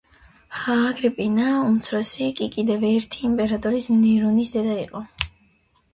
აგრიპინა უმცროსი კი კიდევ ერთი იმპერატორის, ნერონის დედა იყო.